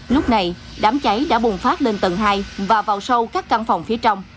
lúc này đám cháy đã bùng phát lên tầng hai và vào sâu các căn phòng phía trong